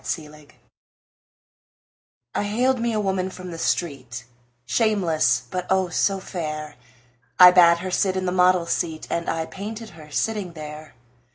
My Madonna I haled me a woman from the street, Shameless, but, oh, so fair! I bade her sit in the model's seat And I painted her sitting there.